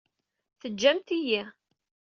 Teǧǧamt-iyi.